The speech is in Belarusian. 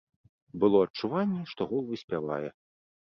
Было адчуванне, што гол выспявае.